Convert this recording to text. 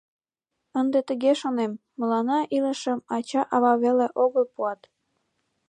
— Ынде тыге шонем: мыланна илышым ача-ава веле огыл пуат.